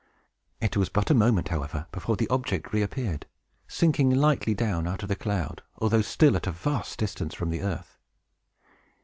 It was but a moment, however, before the object reappeared, sinking lightly down out of the cloud, although still at a vast distance from the earth.